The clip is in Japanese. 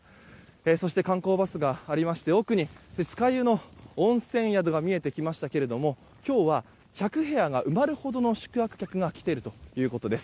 そして、観光バスがありまして奥に酸ヶ湯の温泉宿が見えてきましたけども今日は１００部屋が埋まるほどの宿泊客が来ているということです。